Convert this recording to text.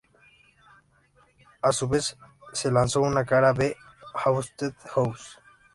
A su vez, se lanzó una cara B, "Haunted House".